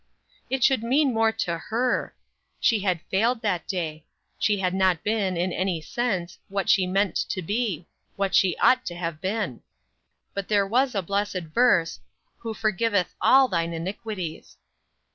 It should mean more to her. She had failed that day. She had not been, in any sense, what she meant to be; what she ought to have been. But there was a blessed verse: "Who forgiveth all thine iniquities."